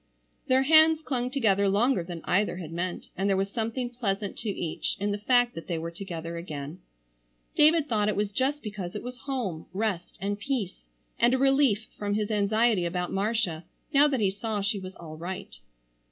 Their hands clung together longer than either had meant, and there was something pleasant to each in the fact that they were together again. David thought it was just because it was home, rest, and peace, and a relief from his anxiety about Marcia now that he saw she was all right.